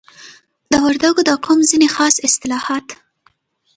د وردګو د قوم ځینی خاص اصتلاحات